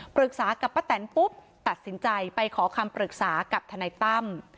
ปรึกษากับป้าแตนปุ๊บตัดสินใจไปขอคำปรึกษากับทนายตั้ม